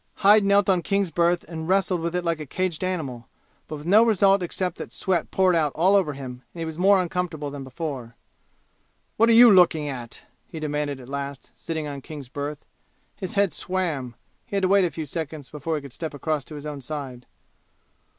Hyde knelt on King's berth and wrestled with it like a caged animal, but with no result except that the sweat poured out all over him and he was more uncomfortable than before. "What are you looking at?" he demanded at last, sitting on King's berth. His head swam. He had to wait a few seconds before he could step across to his own side.